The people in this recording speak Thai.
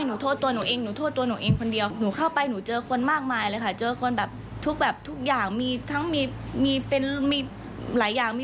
มันก็ต้องอยู่ข้างในอยู่ดีเพราะเราก็ทำอะไรไม่ได้